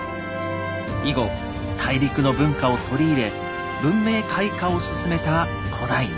以後大陸の文化を取り入れ文明開化を進めた古代日本。